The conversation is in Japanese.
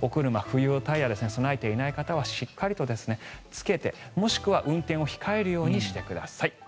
お車冬用タイヤを備えていない人はしっかりとつけてもしくは運転を控えるようにしてください。